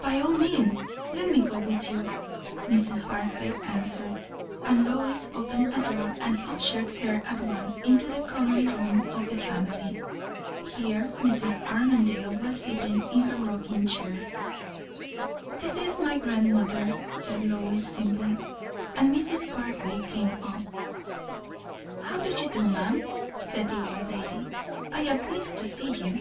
"By all means! let me go with you," Mrs. Barclay answered; and Lois opened a door and ushered her at once into the common room of the family. Here Mrs. Armadale was sitting in her rocking chair. "This is my grandmother," said Lois simply; and Mrs. Barclay came up. "How do you do, ma'am?" said the old lady. "I am pleased to see you."